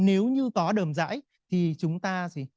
nếu như có đờm rãi thì chúng ta sẽ